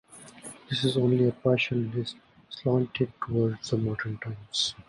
This is only a partial list, slanted towards the modern times.